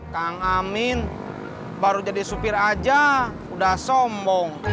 kang amin baru jadi supir aja udah sombong